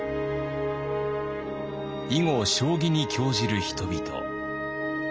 囲碁将棋に興じる人々。